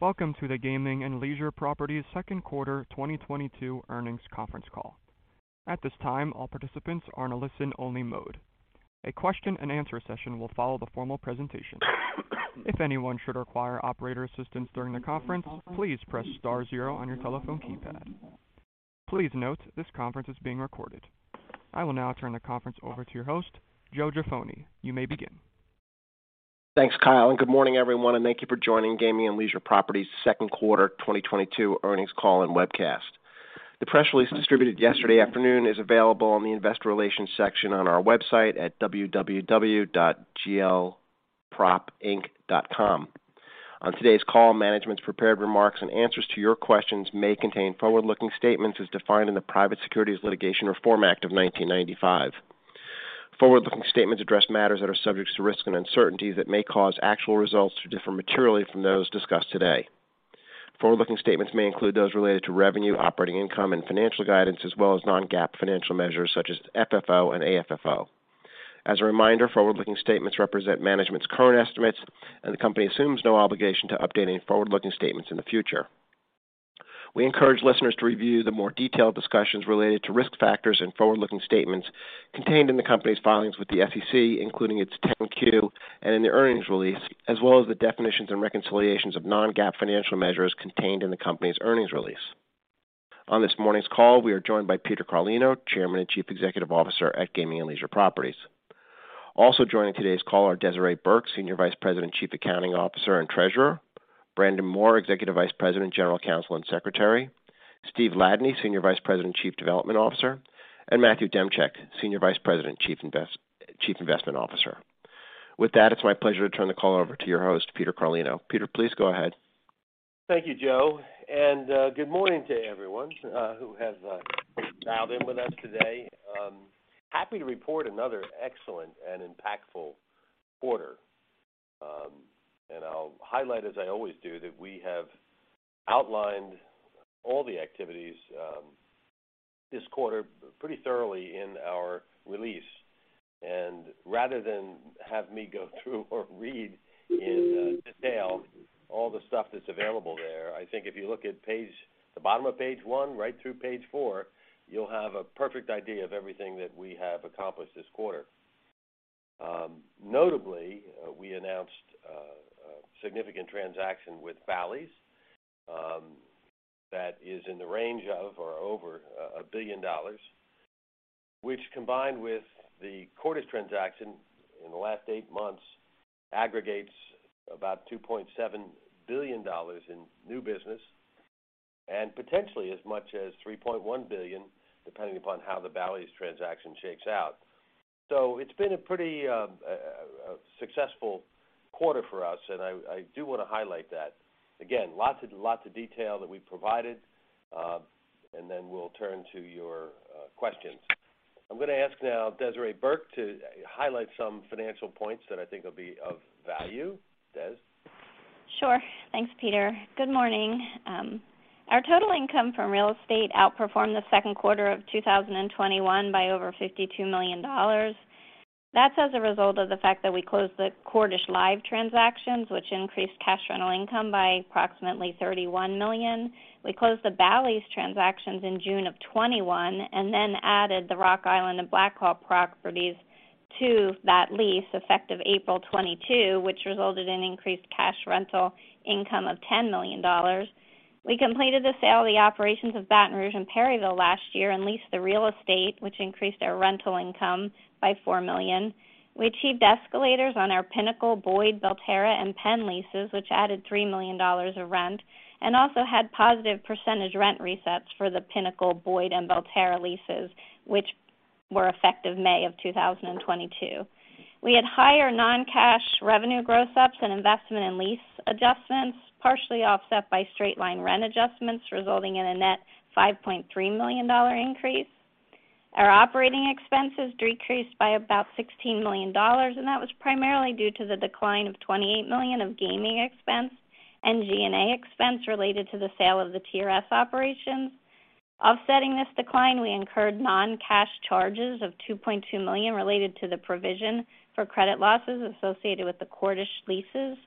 Welcome to the Gaming and Leisure Properties second quarter 2022 earnings conference call. At this time, all participants are in a listen-only mode. A question-and-answer session will follow the formal presentation. If anyone should require operator assistance during the conference, please press star zero on your telephone keypad. Please note, this conference is being recorded. I will now turn the conference over to your host, Joseph Jaffoni. You may begin. Thanks, Kyle, and good morning, everyone, and thank you for joining Gaming and Leisure Properties second quarter 2022 earnings call and webcast. The press release distributed yesterday afternoon is available on the investor relations section on our website, at www.glpropinc.com. On today's call, management's prepared remarks and answers to your questions may contain forward-looking statements as defined in the Private Securities Litigation Reform Act of 1995. Forward-looking statements address matters that are subject to risks and uncertainties that may cause actual results to differ materially from those discussed today. Forward-looking statements may include those related to revenue, operating income, and financial guidance, as well as non-GAAP financial measures such as FFO and AFFO. As a reminder, forward-looking statements represent management's current estimates, and the company assumes no obligation to updating forward-looking statements in the future. We encourage listeners to review the more detailed discussions related to risk factors and forward-looking statements, contained in the company's filings with the SEC, including its 10-Q and in the earnings release, as well as the definitions and reconciliations of non-GAAP financial measures contained in the company's earnings release. On this morning's call, we are joined by Peter Carlino, Chairman and Chief Executive Officer at Gaming and Leisure Properties. Also joining today's call are Desiree Burke, Senior Vice President, Chief Accounting Officer, and Treasurer, Brandon Moore, Executive Vice President, General Counsel, and Secretary, Steven Ladany, Senior Vice President and Chief Development Officer, and Matthew Demchyk, Senior Vice President, Chief Investment Officer. With that, it's my pleasure to turn the call over to your host, Peter Carlino. Peter, please go ahead. Thank you, Joe, and good morning to everyone who has dialed in with us today. Happy to report another excellent and impactful quarter. I'll highlight, as I always do, that we have outlined all the activities, this quarter pretty thoroughly in our release. Rather than have me go through or read in detail all the stuff that's available there, I think if you look at the bottom of page one right through page four, you'll have a perfect idea of everything that we have accomplished this quarter. Notably, we announced a significant transaction with Bally's, that is in the range of or over $1 billion, which combined with the Cordish transaction, in the last eight months aggregates about $2.7 billion in new business, and potentially as much as $3.1 billion, depending upon how the Bally's transaction shakes out. It's been a pretty successful quarter for us, and I do wanna highlight that. Again, lots of detail that we provided, and then we'll turn to your questions. I'm gonna ask now Desiree Burke to highlight some financial points that I think will be of value. Des? Sure. Thanks, Peter. Good morning. Our total income from real estate outperformed the second quarter of 2021 by over $52 million. That's as a result of the fact that we closed the Cordish Live transactions, which increased cash rental income by approximately $31 million. We closed the Bally's transactions in June of 2021, and then added the Rock Island and Black Hawk properties to that lease effective April 2022, which resulted in increased cash rental income of $10 million. We completed the sale of the operations of Baton Rouge and Perryville last year and leased the real estate, which increased our rental income by $4 million. We achieved escalators on our Pinnacle, Boyd, Belterra, and Penn leases, which added $3 million of rent, and also had positive percentage rent resets for the Pinnacle, Boyd, and Belterra leases, which were effective May of 2022. We had higher non-cash revenue gross ups and investment and lease adjustments, partially offset by straight-line rent adjustments, resulting in a net $5.3 million increase. Our operating expenses decreased by about $16 million, and that was primarily due to the decline of $28 million of gaming expense and G&A expense related to the sale of the TRS operations. Offsetting this decline, we incurred non-cash charges of $2.2 million related to the provision for credit losses associated with the Cordish leases,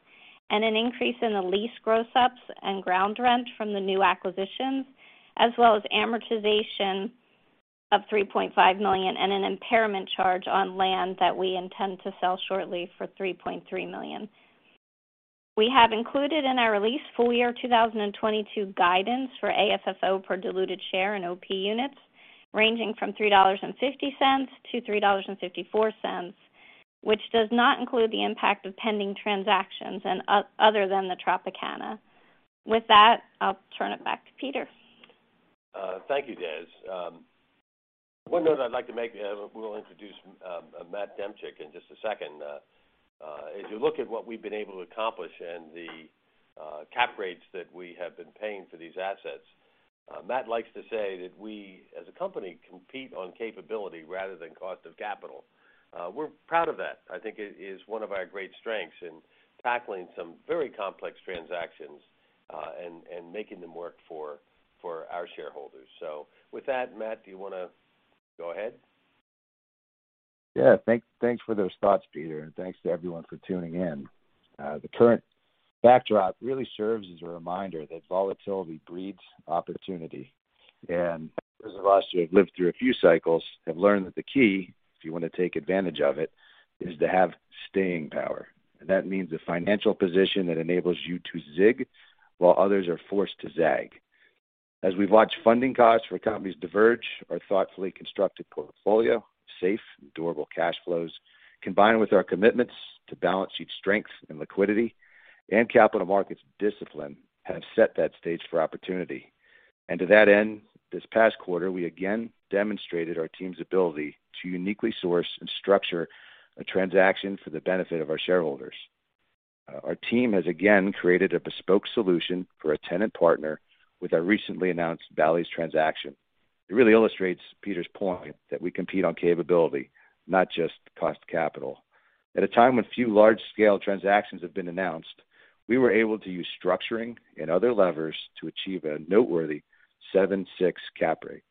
and an increase in the lease gross ups and ground rent from the new acquisitions, as well as amortization of $3.5 million and an impairment charge on land that we intend to sell shortly for $3.3 million. We have included in our released full year 2022 guidance for AFFO per diluted share and OP units, ranging from $3.50 to $3.54, which does not include the impact of pending transactions and other than the Tropicana. With that, I'll turn it back to Peter. Thank you, Des. One note I'd like to make, we'll introduce Matthew Demchyk in just a second. As you look at what we've been able to accomplish and the cap rates that we have been paying for these assets, Matthew likes to say that we, as a company, compete on capability rather than cost of capital. We're proud of that. I think it is one of our great strengths in tackling some very complex transactions, and making them work for our shareholders. With that, Matt, do you wanna go ahead? Yeah. Thanks for those thoughts, Peter, and thanks to everyone for tuning in. The current backdrop really serves as a reminder that volatility breeds opportunity. Those of us who have lived through a few cycles have learned that the key, if you want to take advantage of it, is to have staying power. That means a financial position that enables you to zig, while others are forced to zag. As we've watched funding costs for companies diverge, our thoughtfully constructed portfolio, safe and durable cash flows, combined with our commitments to balance sheet strength and liquidity and capital markets discipline, have set that stage for opportunity. To that end, this past quarter, we again demonstrated our team's ability to uniquely source and structure a transaction for the benefit of our shareholders. Our team has again created a bespoke solution for a tenant partner, with our recently announced Bally's transaction. It really illustrates Peter's point that we compete on capability, not just cost of capital. At a time when few large-scale transactions have been announced, we were able to use structuring and other levers to achieve a noteworthy 7.6 cap rate.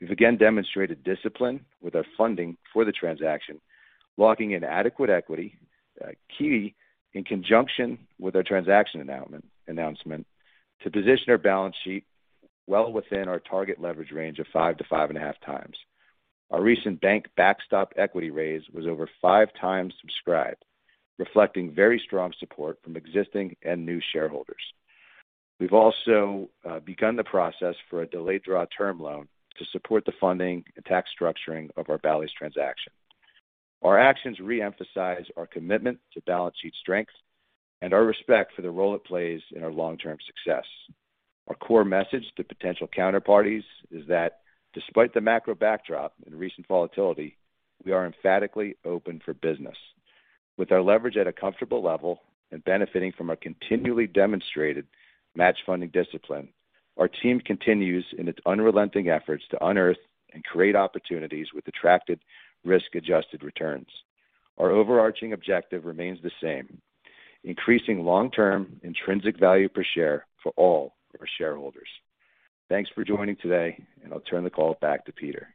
We've again demonstrated discipline with our funding for the transaction, locking in adequate equity, key in conjunction with our transaction announcement, to position our balance sheet well within our target leverage range of five 5.5 times. Our recent bank backstop equity raise was over five times subscribed, reflecting very strong support from existing and new shareholders. We've also begun the process for a delayed draw term loan to support the funding and tax structuring of our Bally's transaction. Our actions reemphasize our commitment to balance sheet strength, and our respect for the role it plays in our long-term success. Our core message to potential counterparties is that despite the macro backdrop and recent volatility, we are emphatically open for business. With our leverage at a comfortable level and benefiting from our continually demonstrated match funding discipline, our team continues in its unrelenting efforts to unearth and create opportunities with attractive risk-adjusted returns. Our overarching objective remains the same, increasing long-term intrinsic value per share for all of our shareholders. Thanks for joining today, and I'll turn the call back to Peter.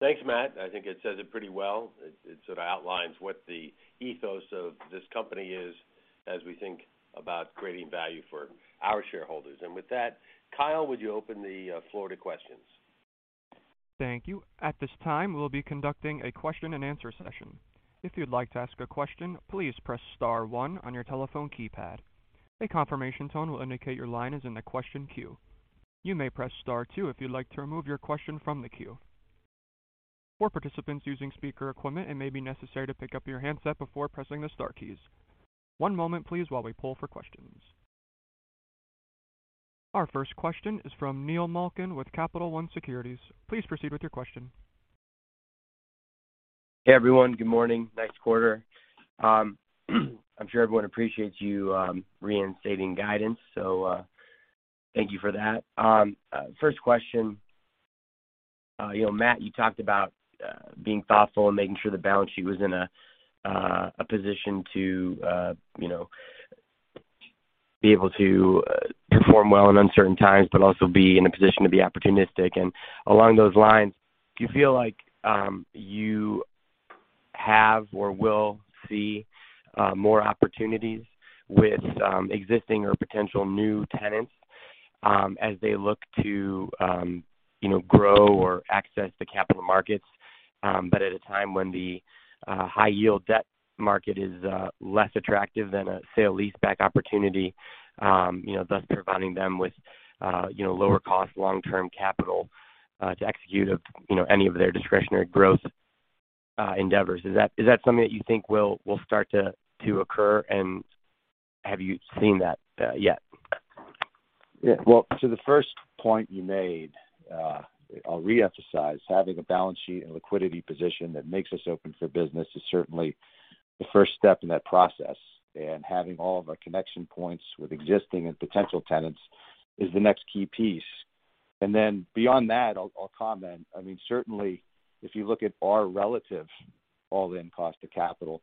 Thanks, Matt. I think it says it pretty well. It sort of outlines what the ethos of this company is as we think about creating value for our shareholders. With that, Kyle, would you open the floor to questions? Thank you. At this time, we'll be conducting a question-and-answer session. If you'd like to ask a question, please press star one on your telephone keypad. A confirmation tone will indicate your line is in the question queue. You may press star two if you'd like to remove your question from the queue. For participants using speaker equipment, it may be necessary to pick up your handset before pressing the star keys. One moment, please, while we pull for questions. Our first question is from Neil Malkin with Capital One Securities. Please proceed with your question. Hey, everyone. Good morning. Nice quarter. I'm sure everyone appreciates you reinstating guidance, so thank you for that. First question. You know, Matt, you talked about being thoughtful and making sure the balance sheet was in a position to be able to perform well in uncertain times, but also be in a position to be opportunistic. Along those lines, do you feel like you have or will see, more opportunities with existing or potential new tenants as they look to you know grow or access the capital markets but at a time when the high yield debt market is less attractive than a sale leaseback opportunity, you know thus providing them with you know lower cost long-term capital to execute on you know any of their discretionary growth endeavors? Is that something that you think will start to occur, and have you seen that yet? Yeah. Well, to the first point you made, I'll reemphasize having a balance sheet and liquidity position that makes us open for business is certainly the first step in that process. Having all of our connection points with existing and potential tenants is the next key piece. Then beyond that, I'll comment. I mean, certainly if you look at our relative all-in cost of capital,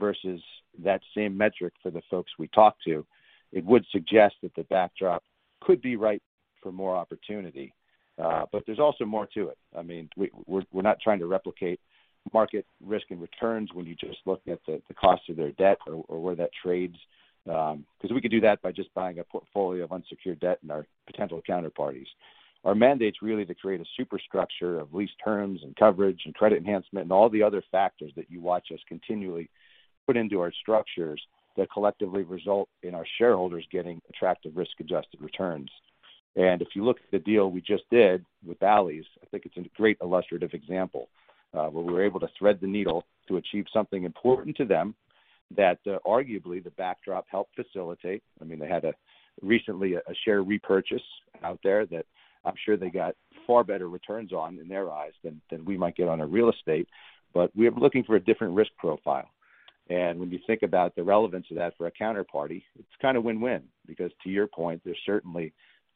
versus that same metric for the folks we talk to, it would suggest that the backdrop could be right for more opportunity. There's also more to it. I mean, we're not trying to replicate market risk and returns when you just look at the cost of their debt or where that trades. 'Cause we could do that by just buying a portfolio of unsecured debt in our potential counterparties. Our mandate's really to create a superstructure of lease terms and coverage and credit enhancement and all the other factors that you watch us continually, put into our structures that collectively result in our shareholders getting attractive risk-adjusted returns. If you look at the deal we just did with Bally's, I think it's a great illustrative example, where we were able to thread the needle to achieve something important to them that, arguably the backdrop helped facilitate. I mean, they had recently a share repurchase out there that I'm sure they got far better returns on in their eyes than we might get on a real estate. We are looking for a different risk profile. When you think about the relevance of that for a counterparty, it's kind of win-win because to your point, there's certainly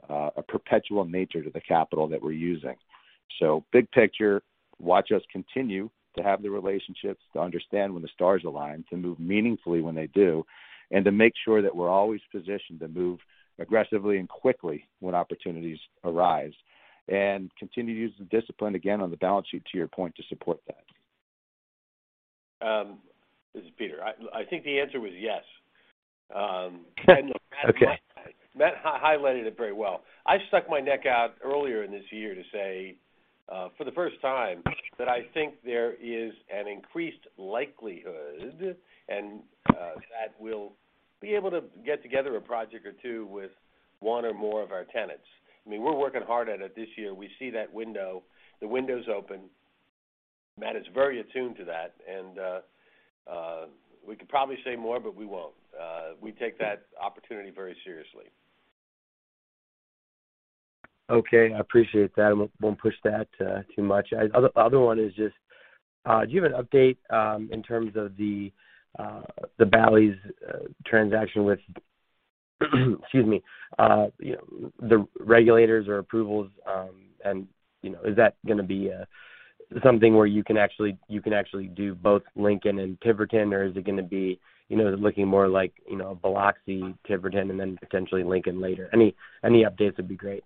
a perpetual nature to the capital that we're using. Big picture, watch us continue to have the relationships to understand when the stars align, to move meaningfully when they do, and to make sure that we're always positioned to move aggressively and quickly when opportunities arise and continue to use the discipline again on the balance sheet, to your point, to support that. This is Peter. I think the answer was yes. Okay. Matt highlighted it very well. I stuck my neck out earlier in this year to say, for the first time that I think there is an increased likelihood, and, that we'll be able to get together a project or two with one or more of our tenants. I mean, we're working hard at it this year. We see that window. The window's open. Matt is very attuned to that, and, we could probably say more, but we won't. We take that opportunity very seriously. Okay. I appreciate that. I won't push that too much. Other one is just do you have an update in terms of the Bally's transaction with, excuse me you know the regulators or approvals and you know is that gonna be something where you can actually do both Lincoln and Tiverton or is it gonna be looking more like you know Biloxi Tiverton and then potentially Lincoln later? Any updates would be great.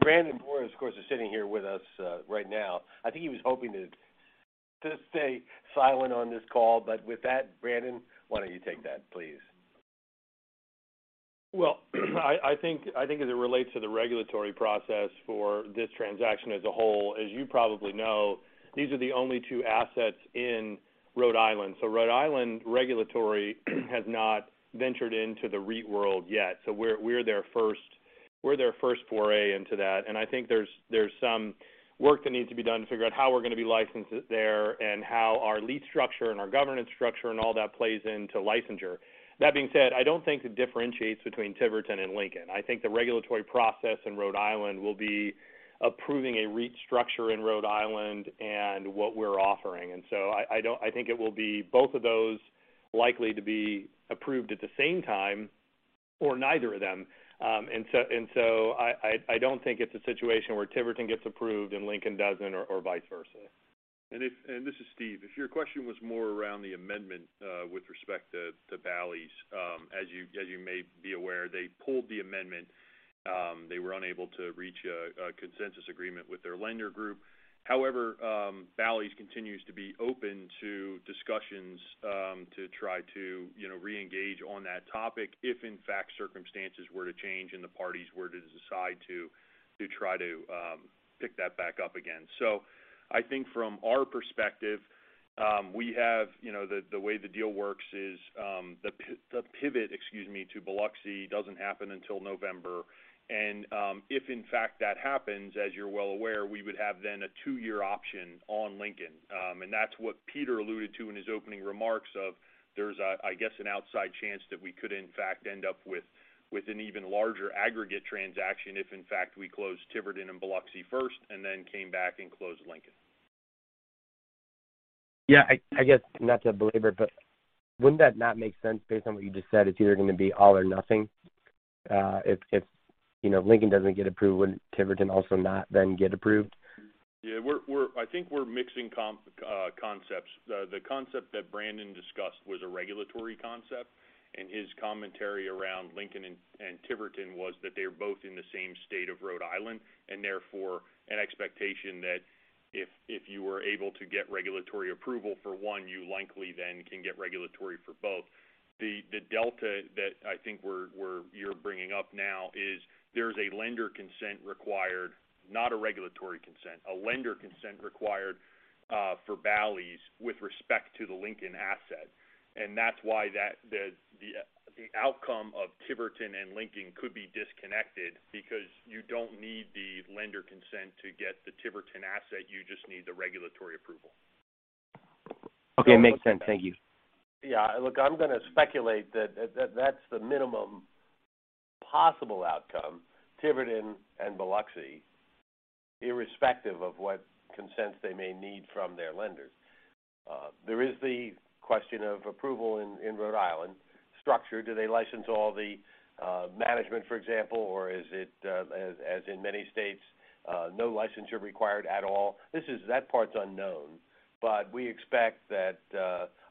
Brandon Moore, of course, is sitting here with us right now. I think he was hoping to stay silent on this call, but with that, Brandon, why don't you take that, please? Well, I think as it relates to the regulatory process for this transaction as a whole, as you probably know, these are the only two assets in Rhode Island. Rhode Island regulators have not ventured into the REIT world yet, so we're their first foray into that. I think there's some work that needs to be done to figure out how we're gonna be licensed there and how our lease structure and our governance structure and all that plays into licensure. That being said, I don't think it differentiates between Tiverton and Lincoln. I think the regulatory process in Rhode Island will be approving a REIT structure in Rhode Island and what we're offering. I don't think it will be both of those likely to be approved at the same time or neither of them. I don't think it's a situation where Tiverton gets approved and Lincoln doesn't or vice versa. This is Steve. If your question was more around the amendment with respect to Bally's, as you may be aware, they pulled the amendment. They were unable to reach a consensus agreement with their lender group. However, Bally's continues to be open to discussions to try to, you know, re-engage on that topic if in fact circumstances were to change and the parties were to decide to try to pick that back up again. I think from our perspective, we have, you know, the way the deal works is the pivot, excuse me, to Biloxi doesn't happen until November. If in fact that happens, as you're well aware, we would have then a two year option on Lincoln. That's what Peter alluded to in his opening remarks of there's a, I guess, an outside chance that we could in fact end up with an even larger aggregate transaction if in fact we closed Tiverton and Biloxi first and then came back and closed Lincoln. Yeah. I guess, not to belabor it, but wouldn't that not make sense based on what you just said? It's either gonna be all or nothing. If you know, Lincoln doesn't get approved, wouldn't Tiverton also not then get approved? Yeah. I think we're mixing concepts. The concept that Brandon discussed was a regulatory concept, and his commentary around Lincoln and Tiverton was that they're both in the same state of Rhode Island, and therefore an expectation that if you were able to get regulatory approval for one, you likely then can get regulatory for both. The delta that I think you're bringing up now is there's a lender consent required, not a regulatory consent, a lender consent required, for Bally's with respect to the Lincoln asset. That's why the outcome of Tiverton and Lincoln could be disconnected because you don't need the lender consent to get the Tiverton asset. You just need the regulatory approval. Okay. Makes sense. Thank you. Yeah. Look, I'm gonna speculate that that's the minimum possible outcome, Tiverton and Biloxi, irrespective of what consents they may need from their lenders. There is the question of approval in Rhode Island. Structure, do they license all the management, for example, or is it, as in many states, no licensure required at all? This is that part's unknown, but we expect that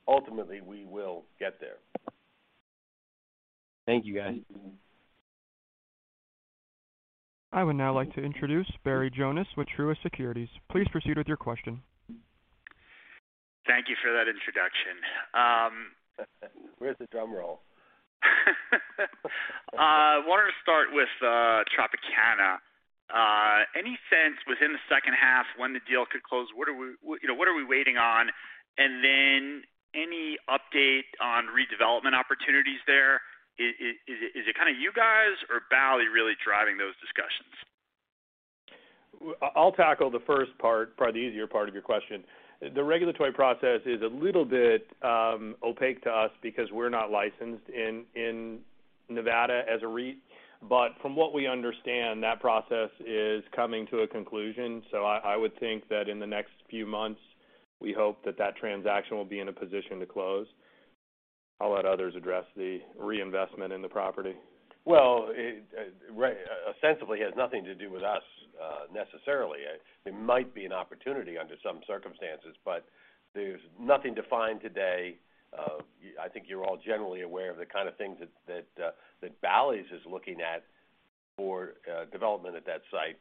ultimately we will get there. Thank you, guys. I would now like to introduce Barry Jonas with Truist Securities. Please proceed with your question. Thank you for that introduction. Where's the drum roll? Wanted to start with Tropicana. Any sense within the second half when the deal could close? You know, what are we waiting on? Any update on redevelopment opportunities there? Is it kinda you guys or Bally's really driving those discussions? I'll tackle the first part, probably the easier part of your question. The regulatory process is a little bit opaque to us because we're not licensed in Nevada as a REIT. From what we understand, that process is coming to a conclusion. I would think that in the next few months, we hope that that transaction will be in a position to close. I'll let others address the reinvestment in the property. Well, it ostensibly has nothing to do with us, necessarily. It might be an opportunity under some circumstances, but there's nothing defined today. I think you're all generally aware of the kind of things that Bally's is looking at, for development at that site.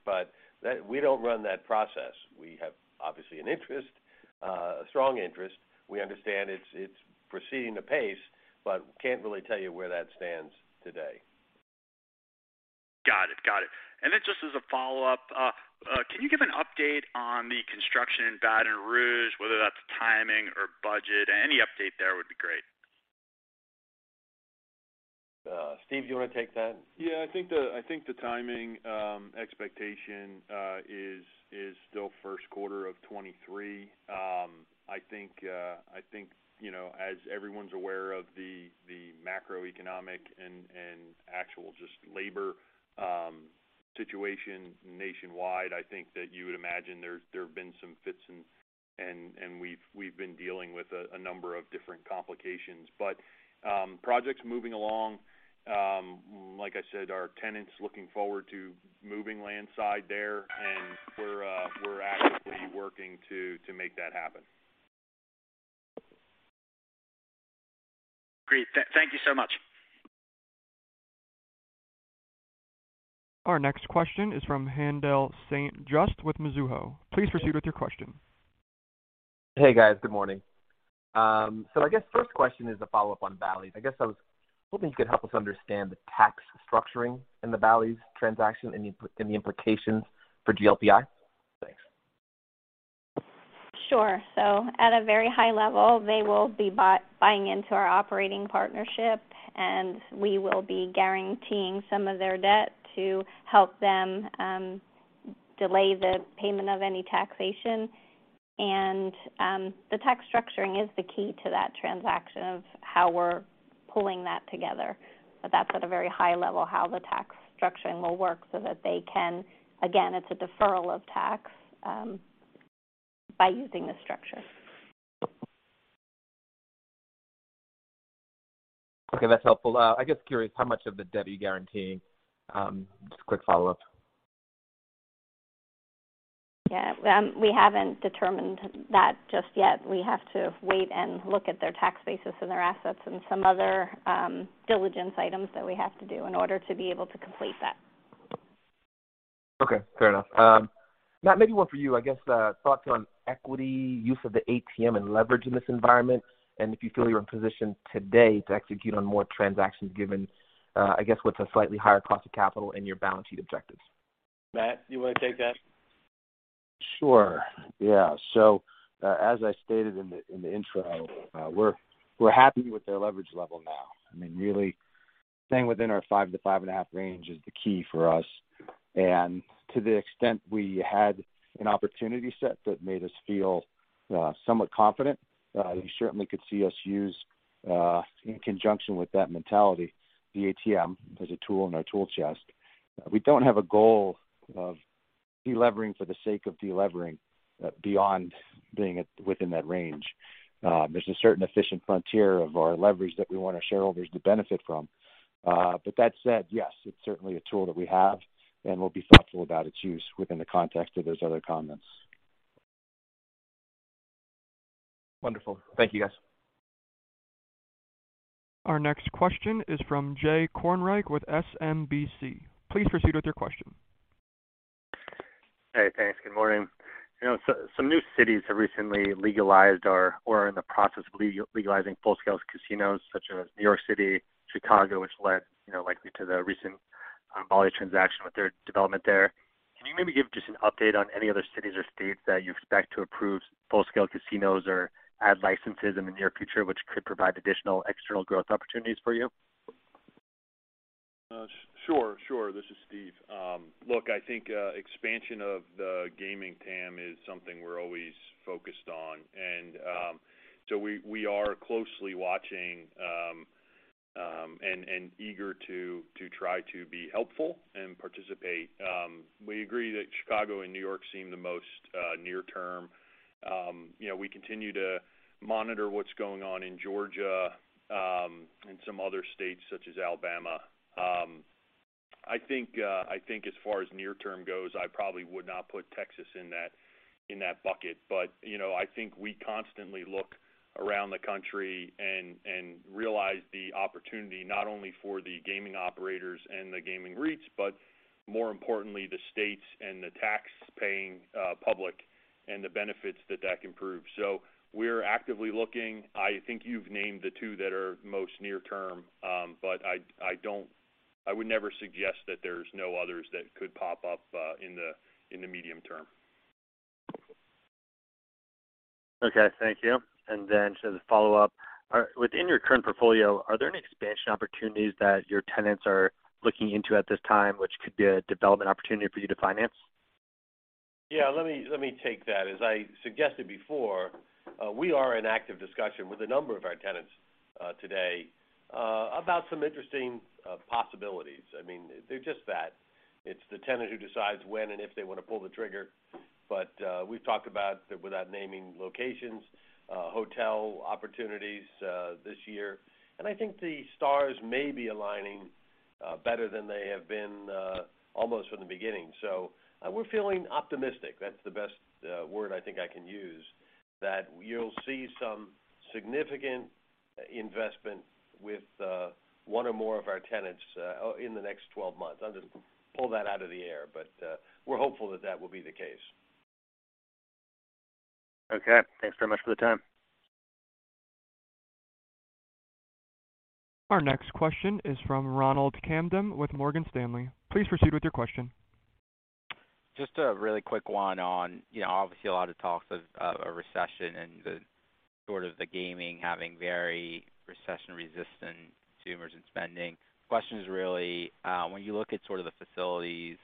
We don't run that process. We have, obviously, an interest, a strong interest. We understand it's proceeding at the pace, but can't really tell you where that stands today. Got it. Just as a follow-up, can you give an update on the construction in Baton Rouge, whether that's timing or budget? Any update there would be great. Steve, do you wanna take that? Yeah, I think the timing expectation is still first quarter of 2023. I think, you know, as everyone's aware of the macroeconomic and actual just labor situation nationwide, I think that you would imagine there have been some fits, and we've been dealing with a number of different complications. Project's moving along. Like I said, our tenants looking forward to moving land side there, and we're actively working to make that happen. Great. Thank you so much. Our next question is from Haendel St. Juste with Mizuho. Please proceed with your question. Hey, guys. Good morning. I guess first question is a follow-up on Bally's. I guess I was hoping you could help us understand the tax structuring in the Bally's transaction and the implications for GLPI. Thanks. Sure. At a very high level, they will be buying into our operating partnership, and we will be guaranteeing some of their debt to help them delay the payment of any taxation. The tax structuring is the key to that transaction of how we're pulling that together. That's at a very high level, how the tax structuring will work so that they can, again, it's a deferral of tax by using this structure. Okay, that's helpful. I guess curious how much of the debt you're guaranteeing. Just a quick follow-up. Yeah. We haven't determined that just yet. We have to wait and look at their tax basis and their assets and some other diligence items that we have to do in order to be able to complete that. Okay. Fair enough. Matt, maybe one for you. I guess, thoughts on equity use of the ATM and leverage in this environment, and if you feel you're in a position today to execute on more transactions given, I guess what's a slightly higher cost of capital and your balance sheet objectives. Matt, you wanna take that? Sure. Yeah. As I stated in the intro, we're happy with our leverage level now. I mean, really staying within our five-5.5 range is the key for us. To the extent we had an opportunity set that made us feel somewhat confident, you certainly could see us use, in conjunction with that mentality, the ATM as a tool in our tool chest. We don't have a goal of delevering for the sake of delevering beyond being within that range. There's a certain efficient frontier of our leverage that we want our shareholders to benefit from. But that said, yes, it's certainly a tool that we have, and we'll be thoughtful about its use within the context of those other comments. Wonderful. Thank you, guys. Our next question is from Jay Kornreich with SMBC. Please proceed with your question. Hey, thanks. Good morning. You know, some new cities have recently legalized or are in the process of legalizing full-scale casinos such as New York City, Chicago, which led, you know, likely to the recent Bally's transaction with their development there. Can you maybe give just an update on any other cities or states that you expect to approve full-scale casinos or add licenses in the near future, which could provide additional external growth opportunities for you? Sure. Sure. This is Steve. Look, I think expansion of the gaming TAM is something we're always focused on. We are closely watching and eager to try to be helpful and participate. We agree that Chicago and New York seem the most near-term. You know, we continue to monitor what's going on in Georgia and some other states such as Alabama. I think as far as near-term goes, I probably would not put Texas in that bucket. You know, I think we constantly look around the country and realize the opportunity not only for the gaming operators and the gaming REITs, but more importantly, the states and the tax-paying public and the benefits that can provide. We're actively looking. I think you've named the two that are most near term. I don't, I would never suggest that there's no others that could pop up in the medium term. Okay. Thank you. Just as a follow-up. Within your current portfolio, are there any expansion opportunities that your tenants are looking into at this time, which could be a development opportunity for you to finance? Yeah, let me take that. As I suggested before, we are in active discussion with a number of our tenants today, about some interesting possibilities. I mean, they're just that. It's the tenant who decides when and if they wanna pull the trigger. We've talked about, without naming locations, hotel opportunities this year. I think the stars may be aligning better than they have been, almost from the beginning. We're feeling optimistic. That's the best word I think I can use, that you'll see some significant investment with one or more of our tenants in the next 12 months. I'll just pull that out of the air, but we're hopeful that that will be the case. Okay. Thanks very much for the time. Our next question is from Ronald Kamdem with Morgan Stanley. Please proceed with your question. Just a really quick one on, you know, obviously, a lot of talks of a recession and the sort of gaming having very recession-resistant consumers and spending. Question is really, when you look at sort of the facilities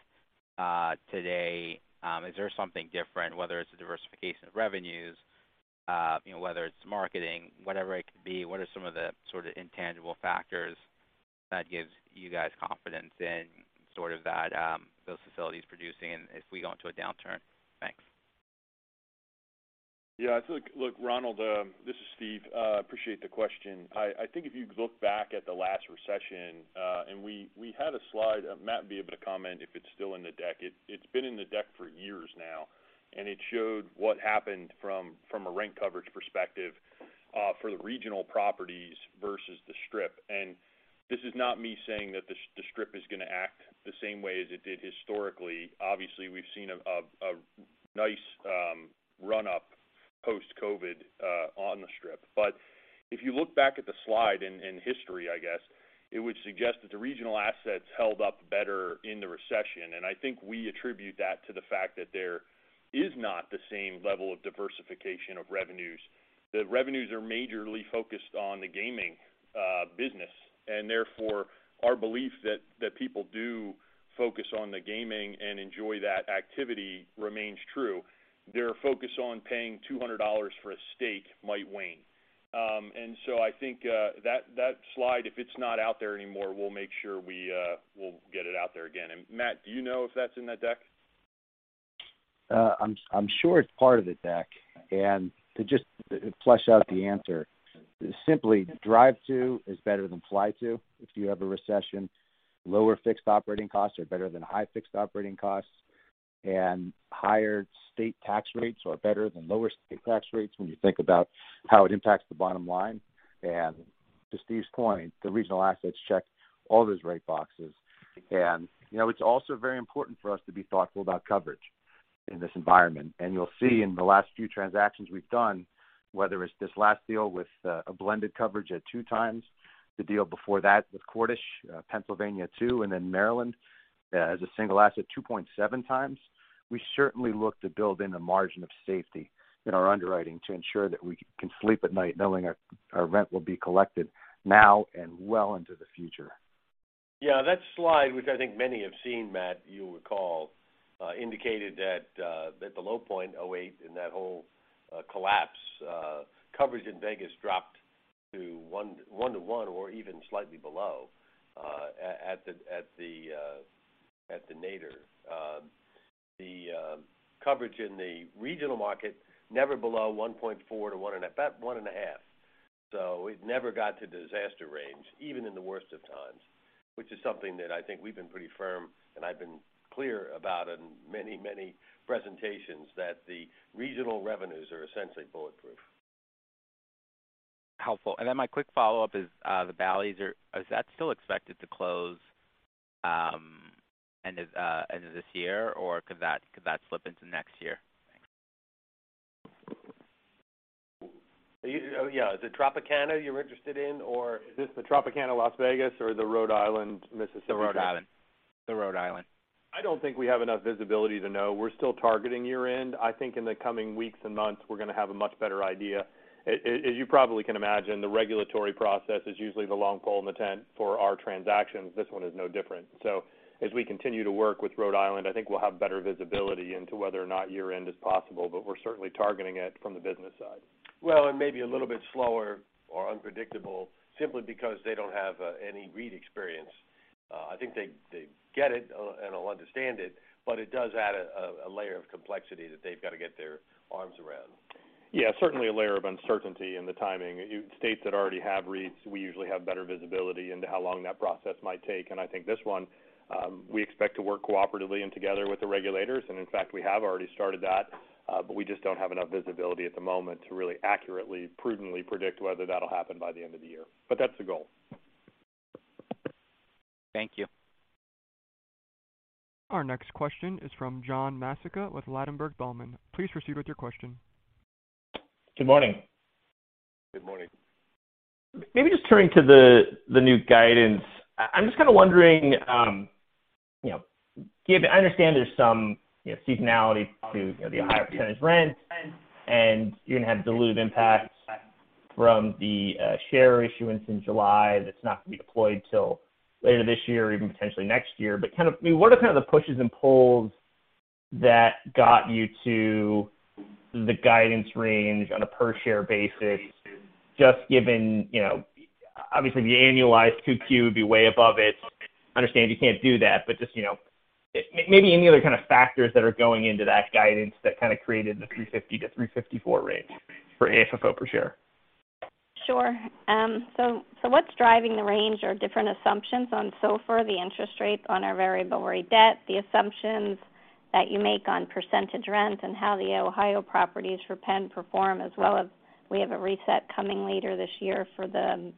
today, is there something different, whether it's a diversification of revenues, you know, whether it's marketing, whatever it could be, what are some of the sort of intangible factors that gives you guys confidence in sort of that, those facilities producing and if we go into a downturn? Thanks. Yeah. Look, Ronald Kamdem, this is Steve. Appreciate the question. I think if you look back at the last recession, and we had a slide. Matt'll be able to comment if it's still in the deck. It's been in the deck for years now, and it showed what happened from a rent coverage perspective, for the regional properties versus the Strip. This is not me saying that the Strip is gonna act the same way as it did historically. Obviously, we've seen a nice run-up post-COVID on the Strip. If you look back at the slide in history, I guess, it would suggest that the regional assets held up better in the recession. I think we attribute that to the fact that there is not the same level of diversification of revenues. The revenues are majorly focused on the gaming business, and therefore, our belief that people do focus on the gaming and enjoy that activity remains true. Their focus on paying $200 for a steak might wane. I think that slide, if it's not out there anymore, we'll make sure we get it out there again. Matt, do you know if that's in that deck? I'm sure it's part of the deck. To just flesh out the answer, simply, drive to is better than fly to if you have a recession. Lower fixed operating costs are better than high fixed operating costs, and higher state tax rates are better than lower state tax rates, when you think about how it impacts the bottom line. To Steve's point, the regional assets check all those right boxes. You know, it's also very important for us to be thoughtful about coverage in this environment. You'll see in the last few transactions we've done, whether it's this last deal with a blended coverage at 2x, the deal before that with Cordish, Pennsylvania too, and then Maryland as a single asset, 2.7x. We certainly look to build in a margin of safety, in our underwriting to ensure that we can sleep at night knowing our rent will be collected now and well into the future. Yeah, that slide, which I think many have seen, Matt, you'll recall, indicated that at the low point, 2008, in that whole collapse, coverage in Vegas dropped to one to one or even slightly below at the nadir. The coverage in the regional market never below 1.4-to-1 and about 1.5. It never got to disaster range, even in the worst of times, which is something that I think we've been pretty firm, and I've been clear about in many, many presentations, that the regional revenues are essentially bulletproof. Helpful. Then my quick follow-up is, the Bally's, is that still expected to close end of this year, or could that slip into next year? Thanks. Oh, yeah. Is it Tropicana you're interested in, or is this the Tropicana Las Vegas or the Rhode Island, Mississippi? The Rhode Island. I don't think we have enough visibility to know. We're still targeting year-end. I think in the coming weeks and months, we're gonna have a much better idea. As you probably can imagine, the regulatory process is usually the long pole in the tent for our transactions. This one is no different. As we continue to work with Rhode Island, I think we'll have better visibility into whether or not year-end is possible, but we're certainly targeting it from the business side. Well, it may be a little bit slower, or unpredictable simply because they don't have any REIT experience. I think they get it and understand it, but it does add a layer of complexity that they've got to get their arms around. Yeah, certainly a layer of uncertainty in the timing. In states that already have REITs, we usually have better visibility into how long that process might take. I think this one, we expect to work cooperatively and together with the regulators, and in fact, we have already started that, but we just don't have enough visibility at the moment to really accurately, prudently predict whether that'll happen by the end of the year. That's the goal. Thank you. Our next question is from John Massocca with Ladenburg Thalmann. Please proceed with your question. Good morning. Good morning. Maybe just turning to the new guidance. I'm just kinda wondering, you know, I understand there's some, you know, seasonality to, you know, the Ohio tenant's rent, and you're gonna have dilute impacts from the share issuance in July that's not gonna be deployed till later this year or even potentially next year. But kind of, I mean, what are kind of the pushes and pulls that got you to the guidance range on a per share basis, just given, you know, obviously, the annualized 2Q would be way above it. I understand you can't do that, but just, you know. Maybe any other kind of factors that are going into that guidance that kind of created the $3.50-$3.54 range for AFFO per share. Sure. What's driving the range are different assumptions on SOFR, the interest rate on our variable rate debt, the assumptions that you make on percentage rent, and how the Ohio properties for Penn perform, as well as we have a reset coming later this year for the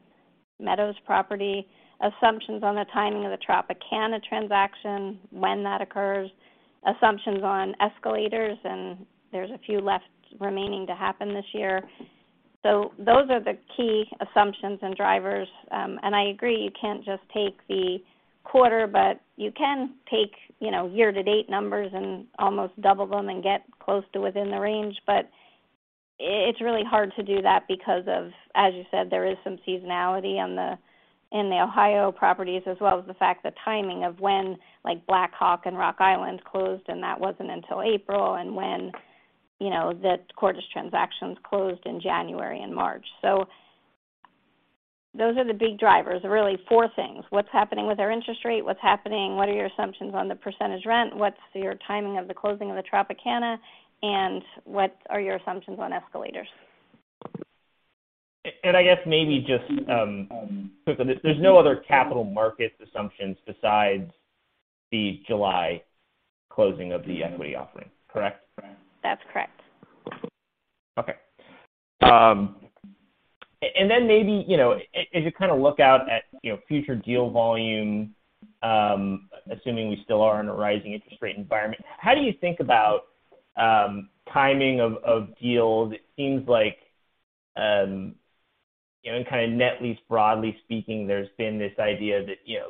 Meadows property. Assumptions on the timing of the Tropicana transaction, when that occurs. Assumptions on escalators, and there's a few left remaining to happen this year. Those are the key assumptions and drivers. I agree, you can't just take the quarter, but you can take, you know, year-to-date numbers and almost double them and get close to within the range. It's really hard to do that because of, as you said, there is some seasonality in the Ohio properties, as well as the fact the timing of when, like Black Hawk and Rock Island closed, and that wasn't until April, and when, you know, the Cordish transactions closed in January and March. Those are the big drivers, really four things. What's happening with our interest rate, what are your assumptions on the percentage rent, what's your timing of the closing of the Tropicana, and what are your assumptions on escalators? I guess maybe just, there's no other capital market assumptions besides the July closing of the equity offering, correct? That's correct. Okay. And then maybe, you know, as you kind of look out at, you know, future deal volume, assuming we still are in a rising interest rate environment, how do you think about, timing of deals? It seems like, you know, in kind of net lease, broadly speaking, there's been this idea that, you know,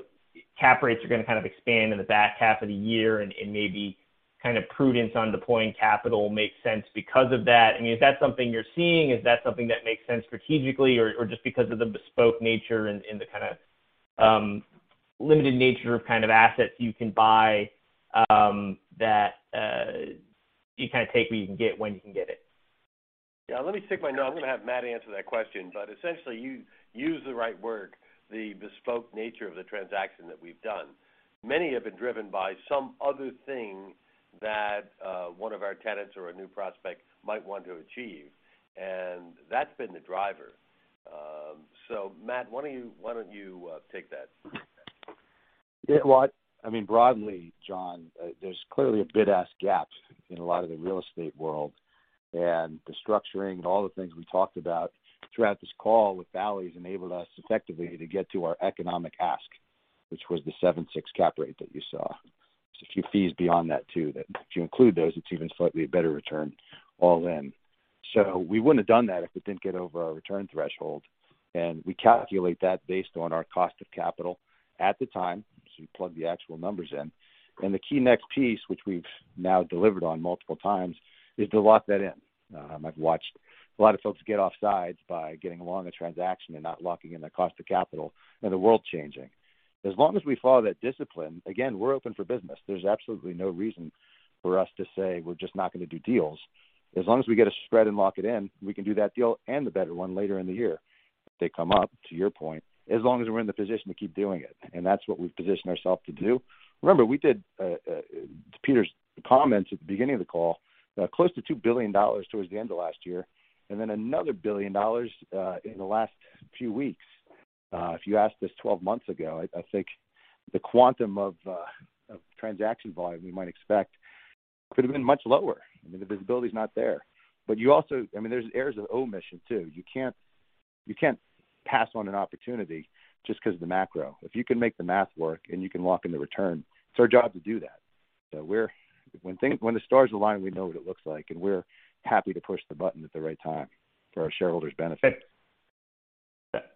cap rates are gonna kind of expand in the back half of the year and maybe kind of prudence on deploying capital makes sense because of that. I mean, is that something you're seeing? Is that something that makes sense strategically or just because of the bespoke nature and the kind of, limited nature of kind of assets you can buy, that you kind of take what you can get when you can get it? Yeah. I'm gonna have Matt answer that question, but essentially you used the right word, the bespoke nature of the transaction that we've done. Many have been driven by some other thing, that one of our tenants or a new prospect might want to achieve, and that's been the driver. Matt, why don't you take that? Yeah. Well, I mean, broadly, John, there's clearly a bid-ask gap in a lot of the real estate world. The structuring and all the things we talked about throughout this call with Bally's enabled us effectively to get to our economic ask, which was the 7.6 cap rate that you saw. There's a few fees beyond that too, that if you include those, it's even slightly a better return all in. We wouldn't have done that if it didn't get over our return threshold, and we calculate that based on our cost of capital at the time, so we plug the actual numbers in. The key next piece, which we've now delivered on multiple times, is to lock that in. I've watched a lot of folks get offsides by getting along a transaction and not locking in their cost of capital, and the world changing. As long as we follow that discipline, again, we're open for business. There's absolutely no reason, for us to say we're just not gonna do deals. As long as we get a spread and lock it in, we can do that deal and a better one later in the year. If they come up, to your point, as long as we're in the position to keep doing it, and that's what we've positioned ourself to do. Remember, we did, to Peter's comments at the beginning of the call, close to $2 billion towards the end of last year and then another $1 billion in the last few weeks. If you asked this 12 months ago, I think the quantum of transaction volume we might expect could have been much lower. I mean, the visibility is not there. You also, I mean, there's errors of omission too. You can't pass on an opportunity just 'cause of the macro. If you can make the math work and you can lock in the return, it's our job to do that. When the stars align, we know what it looks like, and we're happy to push the button at the right time for our shareholders' benefit.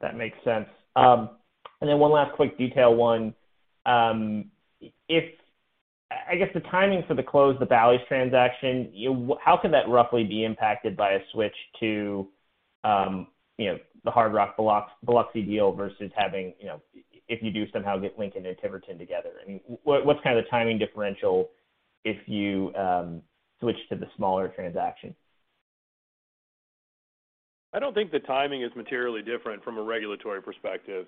That makes sense. One last quick detail one. If I guess the timing for the close of the Bally's transaction, how could that roughly be impacted by a switch to, you know, the Hard Rock Biloxi deal versus having, you know, if you do somehow get Lincoln and Tiverton together? I mean, what's kind of timing differential if you switch to the smaller transaction? I don't think the timing is materially different from a regulatory perspective.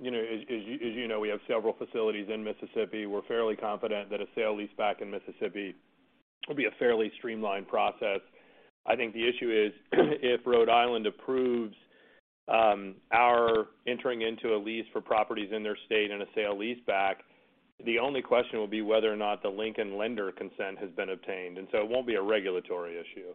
You know, as you know, we have several facilities in Mississippi. We're fairly confident that a sale-leaseback in Mississippi will be a fairly streamlined process. I think the issue is, if Rhode Island approves our entering into a lease for properties in their state in a sale-leaseback, the only question will be whether or not the Lincoln lender consent has been obtained, and so it won't be a regulatory issue.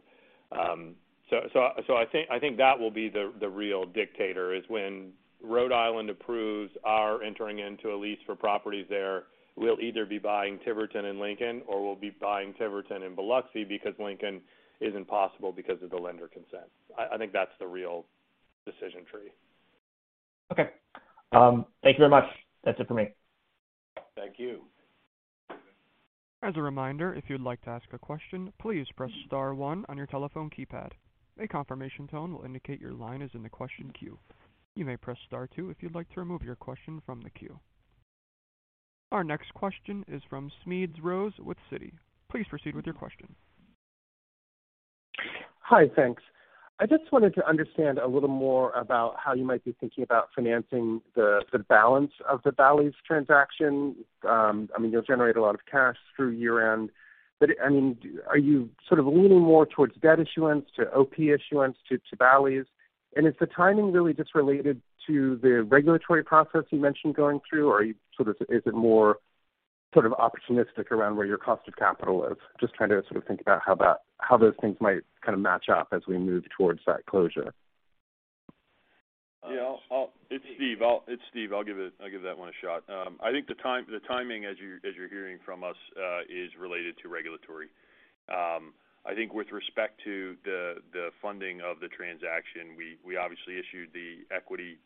I think that will be the real decider, is when Rhode Island approves our entering into a lease for properties there, we'll either be buying Tiverton and Lincoln, or we'll be buying Tiverton and Biloxi because Lincoln is impossible because of the lender consent. I think that's the real decision tree. Okay. Thank you very much. That's it for me. Thank you. As a reminder, if you'd like to ask a question, please press star one on your telephone keypad. A confirmation tone will indicate your line is in the question queue. You may press star two if you'd like to remove your question from the queue. Our next question is from Smedes Rose with Citi. Please proceed with your question. Hi, thanks. I just wanted to understand a little more about how you might be thinking about financing the balance of the Bally's transaction. I mean, you'll generate a lot of cash through year-end, but, I mean, are you sort of leaning more towards debt issuance to OP issuance to Bally's? Is the timing really just related to the regulatory process you mentioned going through? Or is it more sort of opportunistic around where your cost of capital is? Just trying to sort of think about how that, how those things might kind of match up as we move towards that closure. Yeah, it's Steve. I'll give that one a shot. I think the timing as you're hearing from us is related to regulatory. I think with respect to the funding of the transaction, we obviously issued the equity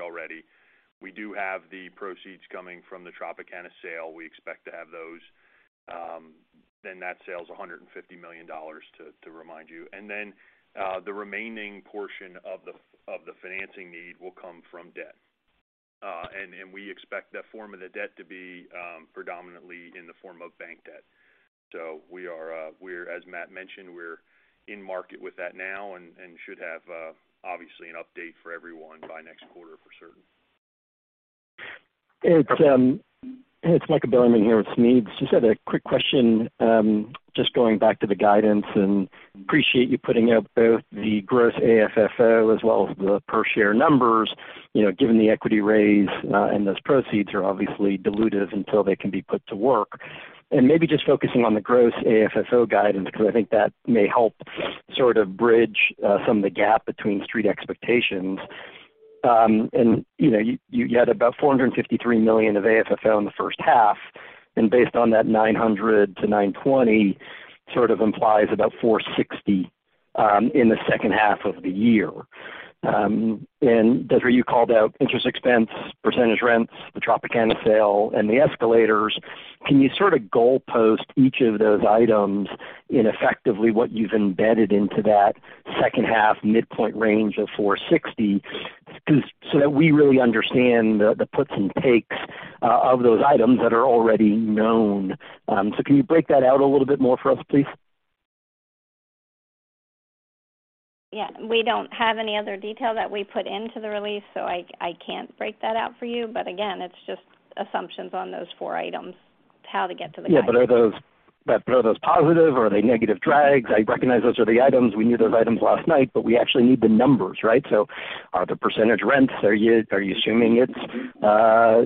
already. We do have the proceeds coming from the Tropicana sale. We expect to have those, then that sale is $150 million to remind you. The remaining portion of the financing need will come from debt. We expect that form of the debt to be predominantly in the form of bank debt. We are, as Matt mentioned, in market with that now and should have obviously an update for everyone by next quarter for certain. It's Michael Bilerman here with Smedes. Just had a quick question, just going back to the guidance and appreciate you putting out both the gross AFFO as well as the per share numbers, you know, given the equity raise, and those proceeds are obviously dilutive until they can be put to work. Maybe just focusing on the gross AFFO guidance because I think that may help, sort of bridge some of the gap between street expectations. You had about $453 million of AFFO in the first half, and based on that $900-$920 sort of implies about $460 in the second half of the year. Desiree, you called out interest expense, percentage rents, the Tropicana sale, and the escalators. Can you sort of goalpost each of those items in effectively what you've embedded into that second half midpoint range of $460, so that we really understand the puts and takes of those items that are already known. Can you break that out a little bit more for us, please? Yeah. We don't have any other detail that we put into the release, so I can't break that out for you. But again, it's just assumptions on those four items, how to get to the guidance. Are those positive, or are they negative drags? I recognize those are the items. We knew those items last night, but we actually need the numbers, right? Are the percentage rents, are you assuming it's,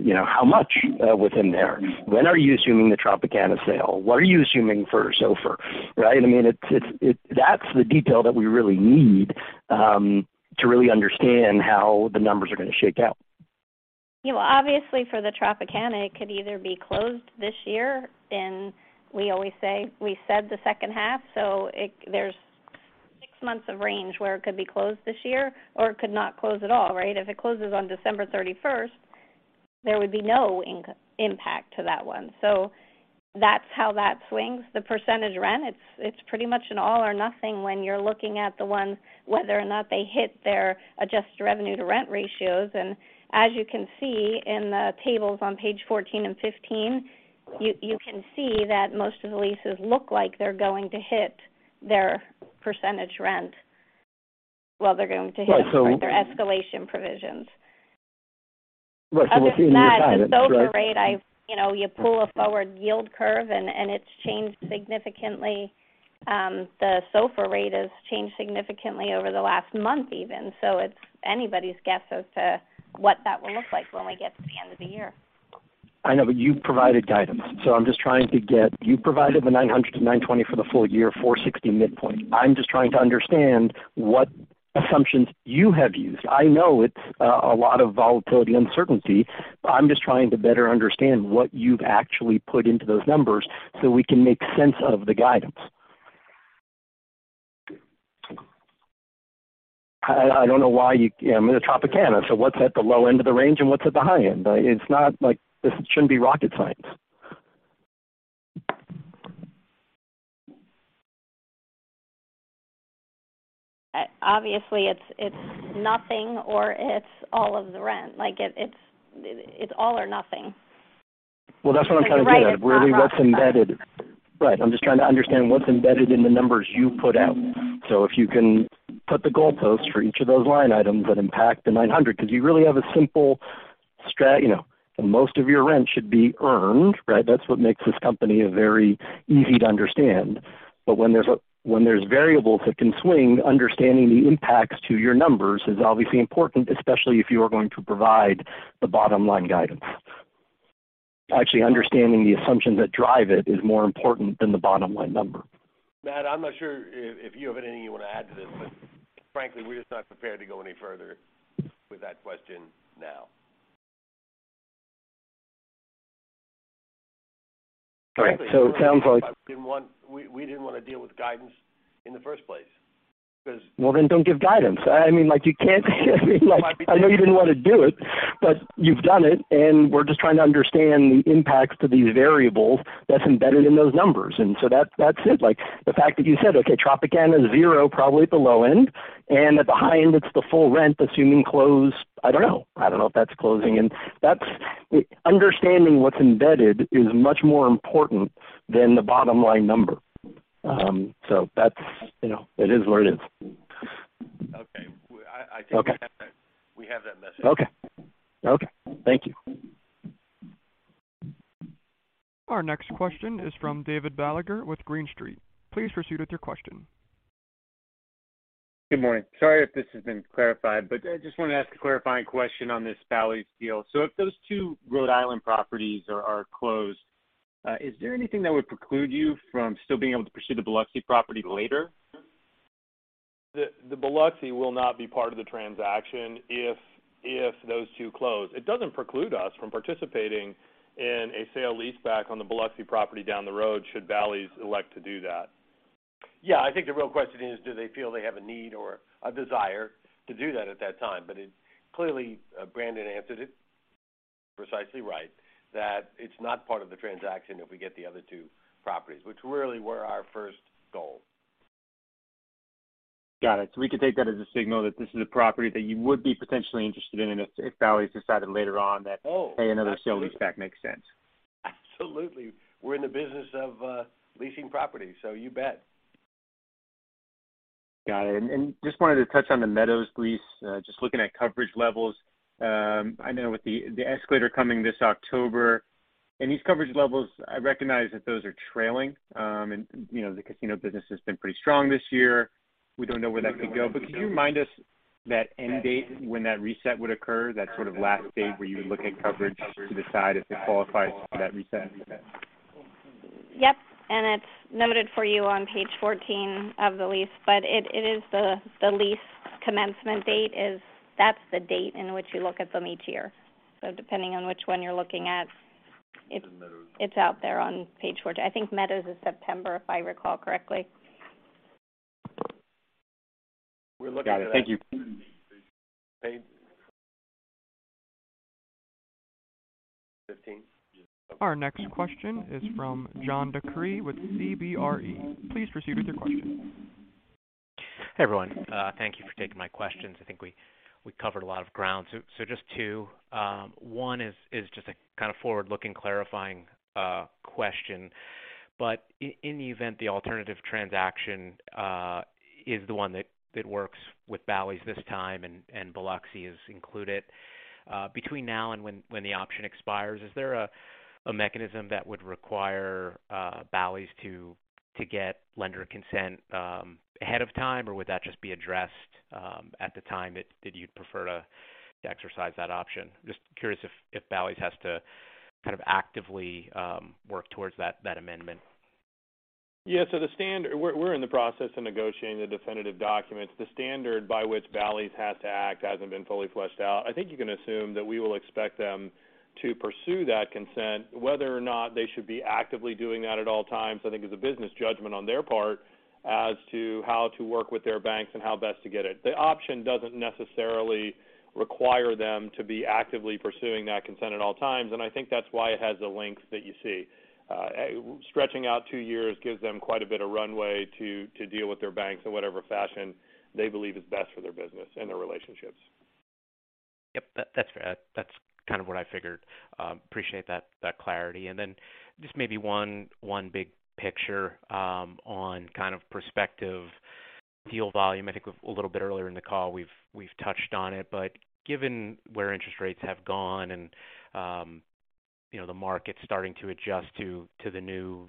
you know, how much within there? When are you assuming the Tropicana sale? What are you assuming for SOFR? Right? I mean, it's the detail that we really need to really understand how the numbers are gonna shake out. Yeah. Well, obviously for the Tropicana, it could either be closed this year, and we always say, we said the second half, so there's six months of range where it could be closed this year or it could not close at all, right? If it closes on December thirty-first, there would be no impact to that one. So that's how that swings. The percentage rent, it's pretty much an all or nothing when you're looking at the ones whether or not they hit their adjusted revenue to rent ratios. As you can see in the tables on page 14 and 15, you can see that most of the leases look like they're going to hit their percentage rent. Well, they're going to hit their escalation provisions. Right. Other than that, the SOFR rate, you know, you pull a forward yield curve and it's changed significantly. The SOFR rate has changed significantly over the last month even. It's anybody's guess as to what that will look like when we get to the end of the year. I know, but you've provided guidance, so I'm just trying to. You've provided the $900-$920 for the full year, $460 midpoint. I'm just trying to understand what assumptions you have used. I know it's a lot of volatility, uncertainty. I'm just trying to better understand what you've actually put into those numbers, so we can make sense of the guidance. I don't know why you, I mean, the Tropicana, so what's at the low end of the range and what's at the high end? It's not like this shouldn't be rocket science. Obviously it's nothing or it's all of the rent. Like it's all or nothing. Well, that's what I'm trying to get at. Really what's embedded. Right. I'm just trying to understand what's embedded in the numbers you put out. If you can put the goalposts for each of those line items that impact the $900, because you really have a simple strategy, you know, most of your rent should be earned, right? That's what makes this company a very easy to understand. When there's variables that can swing, understanding the impacts to your numbers is obviously important, especially if you are going to provide the bottom-line guidance. Actually, understanding the assumptions that drive it is more important than the bottom line number. Matt, I'm not sure if you have anything you want to add to this. Frankly, we're just not prepared to go any further with that question now. Okay. We didn't wanna deal with guidance in the first place. Well, don't give guidance. I mean, like, you can't, I mean, like, I know you didn't want to do it, but you've done it, and we're just trying to understand the impacts to these variables that's embedded in those numbers. That, that's it. Like, the fact that you said, okay, Tropicana is zero, probably at the low end and at the high end it's the full rent, assuming closed, I don't know. I don't know if that's closing. That's understanding what's embedded is much more important than the bottom line number. So that's, you know, it is what it is. I think we have that message. Okay. Okay. Thank you. Our next question is from David Katz with Green Street. Please proceed with your question. Good morning. Sorry if this has been clarified, but I just want to ask a clarifying question on this Bally's deal. If those two Rhode Island properties are closed, is there anything that would preclude you from still being able to pursue the Biloxi property later? The Biloxi will not be part of the transaction if those two close. It doesn't preclude us from participating in a sale leaseback on the Biloxi property down the road should Bally's elect to do that. Yeah, I think the real question is, do they feel they have a need or a desire to do that at that time? It clearly, Brandon answered it precisely right, that it's not part of the transaction if we get the other two properties, which really were our first goal. Got it. We could take that as a signal that this is a property that you would be potentially interested in if Bally's decided later on that. Oh, absolutely. Hey, another sale leaseback makes sense. Absolutely. We're in the business of leasing property, so you bet. Got it. And just wanted to touch on the Meadows lease, just looking at coverage levels. I know with the escalator coming this October, and these coverage levels, I recognize that those are trailing. You know, the casino business has been pretty strong this year. We don't know where that could go. Can you remind us that end date when that reset would occur, that sort of last date where you would look at coverage to decide if it qualifies for that reset? Yep. It's noted for you on page 14 of the lease. It is the lease commencement date. That's the date in which you look at them each year. Depending on which one you're looking at, it's- The Meadows. It's out there on page 14. I think Meadows is September, if I recall correctly. We're looking at. Got it. Thank you. Page 15. Our next question is from John DeCree with CBRE. Please proceed with your question. Hey, everyone. Thank you for taking my questions. I think we covered a lot of ground. Just two. One is just a kind of forward-looking clarifying question. In the event the alternative transaction, is the one that works with Bally's this time and Biloxi is included, between now and when the option expires, is there a mechanism that would require Bally's to get lender consent ahead of time, or would that just be addressed at the time that you'd prefer to exercise that option? Just curious if Bally's has to kind of actively work towards that amendment. Yeah. We're in the process of negotiating the definitive documents. The standard by which Bally's has to act hasn't been fully fleshed out. I think you can assume that we will expect them to pursue that consent. Whether or not they should be actively doing that at all times, I think is a business judgment on their part as to how to work with their banks and how best to get it. The option doesn't necessarily, require them to be actively pursuing that consent at all times, and I think that's why it has the length that you see. Stretching out two years gives them quite a bit of runway to deal with their banks in whatever fashion they believe is best for their business and their relationships. Yep. That's fair. That's kind of what I figured. Appreciate that clarity. Just maybe one big picture on kind of prospective deal volume. I think a little bit earlier in the call, we've touched on it. Given where interest rates have gone and, you know, the market starting to adjust to the new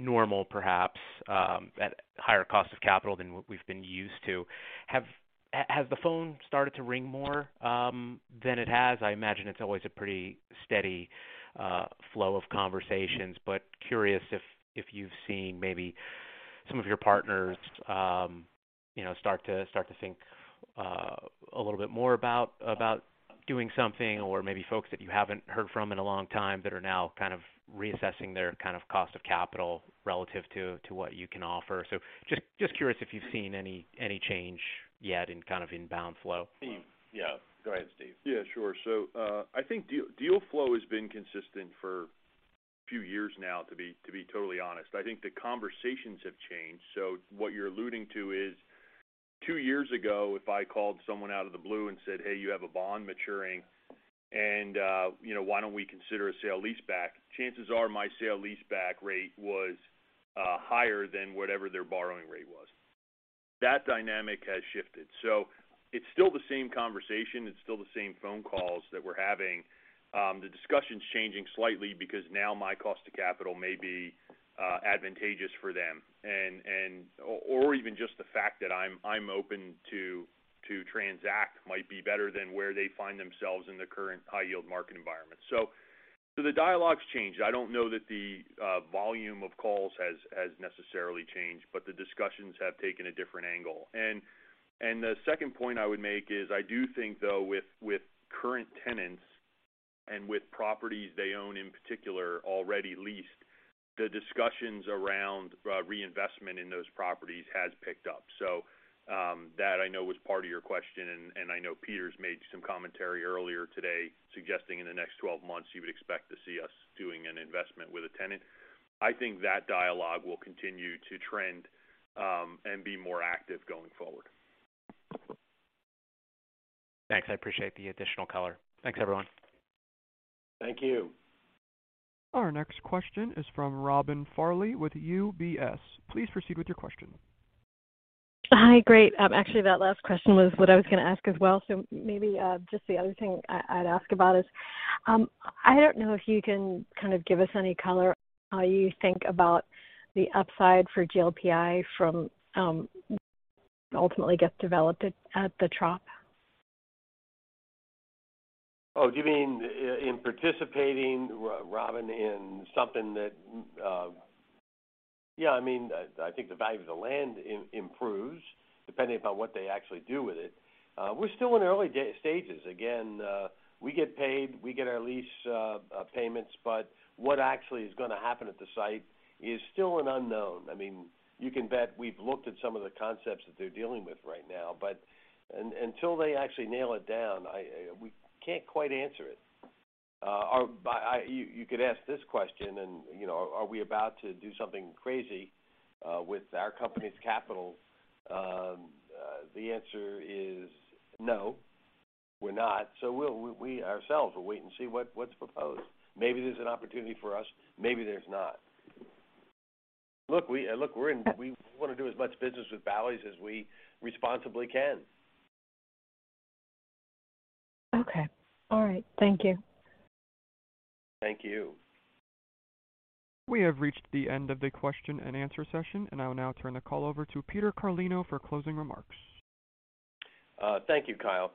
normal, perhaps at higher cost of capital than what we've been used to, has the phone started to ring more than it has? I imagine it's always a pretty steady flow of conversations. Curious if you've seen maybe some of your partners, you know, start to think a little bit more about doing something or maybe folks that you haven't heard from in a long time that are now kind of reassessing their kind of cost of capital relative to what you can offer. Just curious if you've seen any change yet in kind of inbound flow. Yeah. Go ahead, Steve. Yeah, sure. I think deal flow has been consistent for a few years now, to be totally honest. I think the conversations have changed. What you're alluding to is two years ago, if I called someone out of the blue and said, "Hey, you have a bond maturing, and you know, why don't we consider a sale leaseback?" Chances are my sale leaseback rate was, higher than whatever their borrowing rate was. That dynamic has shifted. It's still the same conversation. It's still the same phone calls that we're having. The discussion's changing slightly because now my cost to capital may be advantageous for them. Or even just the fact that I'm open to transact might be better than where they find themselves in the current high-yield market environment. The dialogue's changed. I don't know that the volume of calls has necessarily changed, but the discussions have taken a different angle. The second point I would make is I do think, though, with current tenants and with properties they own in particular already leased, the discussions around reinvestment in those properties has picked up. That I know was part of your question, and I know Peter's made some commentary earlier today suggesting in the next 12 months, you would expect to see us doing an investment with a tenant. I think that dialogue will continue to trend and be more active going forward. Thanks. I appreciate the additional color. Thanks, everyone. Thank you. Our next question is from Robin Farley with UBS. Please proceed with your question. Hi. Great. Actually, that last question was what I was gonna ask as well. Maybe just the other thing I'd ask about is, I don't know if you can kind of give us any color how you think about the upside for GLPI from ultimately gets developed at The Trop. Oh, do you mean in participating, Robin, in something that? Yeah, I mean, I think the value of the land improves, depending upon what they actually do with it. We're still in early stages. Again, we get paid, we get our lease payments, but what actually is gonna happen at the site is still an unknown. I mean, you can bet we've looked at some of the concepts that they're dealing with right now, but until they actually nail it down, we can't quite answer it. You could ask this question and, you know, are we about to do something crazy with our company's capital? The answer is no, we're not. We'll ourselves wait and see what's proposed. Maybe there's an opportunity for us, maybe there's not. We wanna do as much business with Bally's as we responsibly can. Okay. All right. Thank you. Thank you. We have reached the end of the question and answer session, and I will now turn the call over to Peter Carlino for closing remarks. Thank you, Kyle.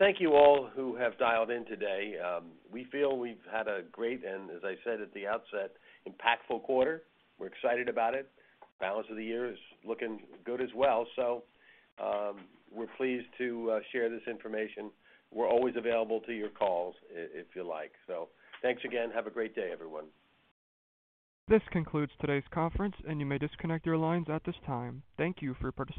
Thank you all who have dialed in today. We feel we've had a great and, as I said at the outset, impactful quarter. We're excited about it. Balance of the year is looking good as well. We're pleased to share this information. We're always available to your calls if you like. Thanks again. Have a great day, everyone. This concludes today's conference, and you may disconnect your lines at this time. Thank you for participating.